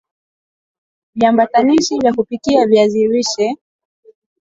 Viambaupishivya kupikia viazi lishe